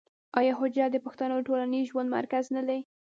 آیا حجره د پښتنو د ټولنیز ژوند مرکز نه دی؟